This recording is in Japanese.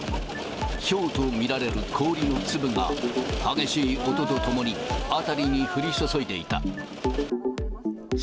ひょうと見られる氷の粒が、激しい音とともに辺りに降り注いでいた。